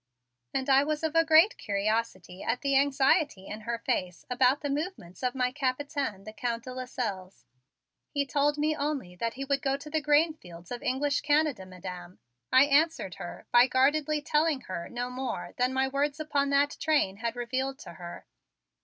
And I was of a great curiosity at the anxiety in her face about the movements of my Capitaine, the Count de Lasselles. "He told me only that he would go to the grain fields of English Canada, Madam," I answered her by guardedly telling her no more than my words upon that train had revealed to her.